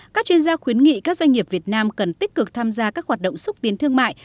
các chuyên gia khuyến nghị các doanh nghiệp việt nam cần tích cực tham gia các hoạt động xúc tiến thương mại